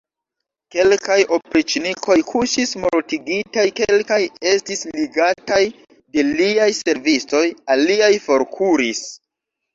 Kelkaj opriĉnikoj kuŝis mortigitaj, kelkaj estis ligataj de liaj servistoj, aliaj forkuris.